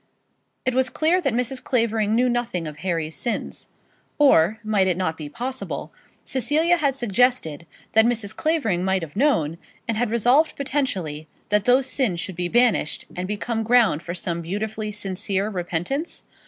It was clear that Mrs. Clavering knew nothing of Harry's sins. Or, might it not be possible, Cecilia had suggested, that Mrs. Clavering might have known, and have resolved potentially that those sins should be banished, and become ground for some beautifully sincere repentance?